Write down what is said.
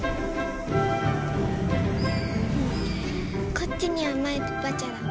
こっちにはマイプバジャダ。